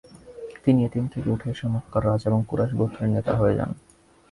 তিনি এতিম থেকে উঠে এসে মক্কার রাজা এবং কুরাইশ গোত্রের নেতা হয়ে যান।